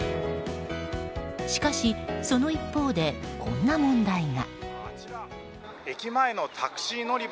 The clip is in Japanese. しかし、その一方でこんな問題が。